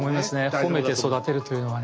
褒めて育てるというのはね。